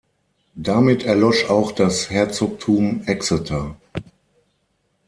Damit erlosch auch das Herzogtum Exeter.